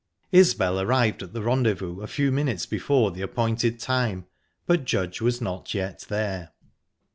Isbel arrived at the rendezvous at a few minutes before the appointed time, but Judge was not yet there.